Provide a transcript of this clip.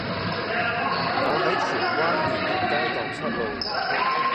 我喺荃灣聯仁街盪失路